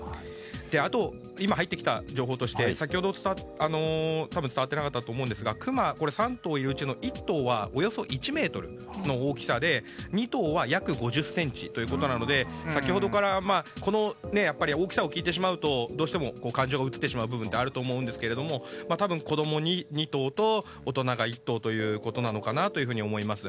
あと、今入ってきた情報として先ほど伝わってなかったと思うんですがクマ３頭いるうちの１頭はおよそ１ｍの大きさで、２頭は約５０ｃｍということなので大きさを聞いてしまうとどうしても感情が移ってしまう部分があると思うんですが多分、子供２頭と大人が１頭なのかなと思います。